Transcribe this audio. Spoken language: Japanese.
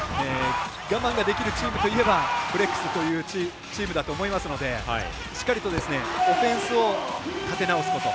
我慢ができるチームといえばブレックスというチームだと思いますのでしっかりとオフェンスを立て直すこと。